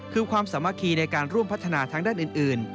คือความสามัคคีในการร่วมพัฒนาทางด้านอื่น